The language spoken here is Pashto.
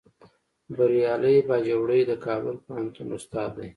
بریالی باجوړی د کابل پوهنتون استاد دی